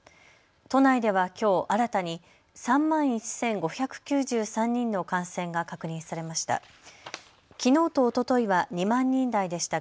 都内ではきょう新たに３万１５９３人の感染が確認されました。